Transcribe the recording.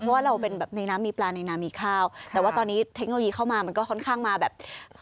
เพราะว่าเราเป็นแบบในน้ำมีปลาในน้ำมีข้าวแต่ว่าตอนนี้เทคโนโลยีเข้ามามันก็ค่อนข้างมาแบบ